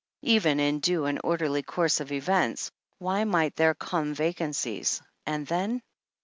Even in due and orderly course of events, why might there not come vacancies and then